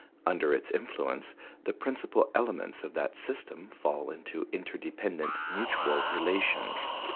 Under its influence the principal elements of that system fall into interdependent mutual relations.